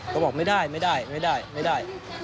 ก็บอกไม่ได้ไม่ได้ไม่ได้ไม่ได้